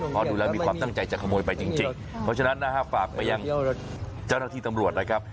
เพราะดูแล้วมีความตั้งใจจะขโมยไปจริงเพราะฉะนั้นนะฮะฝากไปยังเจ้าหน้าที่ตำรวจนะครับ